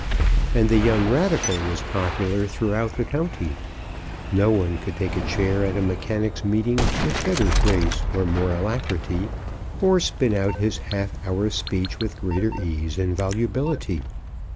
And the young Radical was popular throughout the county. No one could take a chair at a mechanics' meeting with better grace or more alacrity, or spin out his half hour's speech with greater ease and volubility.